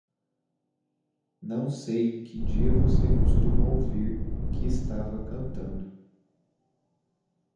Não sei em que dia você costuma ouvir que estava cantando.